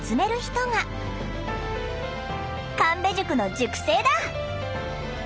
神戸塾の塾生だ！